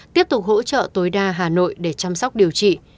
tiếp tục hỗ trợ tối đa hà nội để chăm sóc điều trị